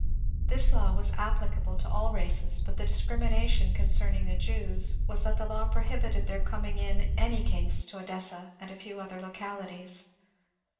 This law was applicable to all races, but the discrimination concerning the Jews was that the law prohibited their coming in any case to Odessa and a few other localities.